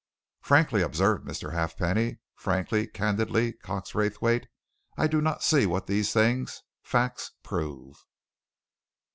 "Frankly," observed Mr. Halfpenny, "frankly, candidly, Cox Raythwaite, I do not see what these things facts prove."